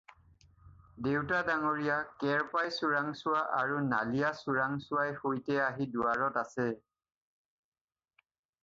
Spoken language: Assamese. ডাঙৰীয়া দেউতা! কেৰপাই চোৰাংচোৱা আৰু নালীয়া চোৰাংচোৱাই সৈতে আহি দুৱাৰত আছে।